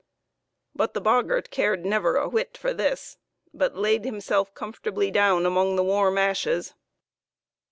But the boggart cared never a whit for this, but laid himself comfortably down among the warm ashes.